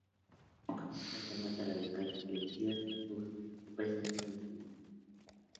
Y comienza a hacer notas radiales, televisivas y shows en presentación de su disco.